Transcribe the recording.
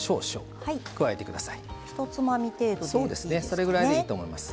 それぐらいでいいと思います。